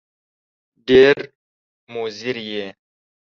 ډېر مضر یې !